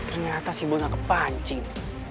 ternyata si bon gak kepancing